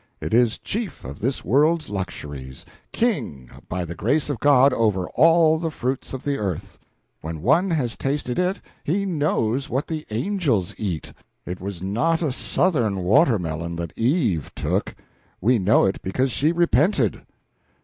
It is chief of this world's luxuries, king by the grace of God over all the fruits of the earth. When one has tasted it, he knows what the angels eat. It was not a Southern watermelon that Eve took: we know it because she repented.